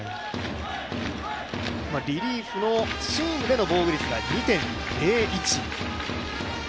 リリーフのチームでの防御率が２．０１。